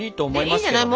いいんじゃない？